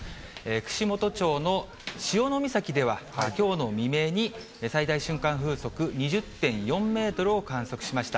串本町の潮岬では、きょうの未明に、最大瞬間風速２０．４メートルを観測しました。